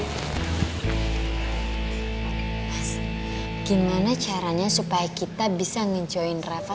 mas gimana caranya supaya kita bisa men join reva